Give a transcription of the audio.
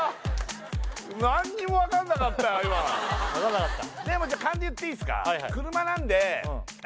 今分かんなかった？